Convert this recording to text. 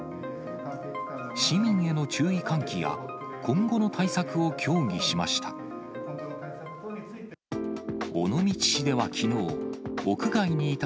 市民への注意喚起や今後の対策を協議しました。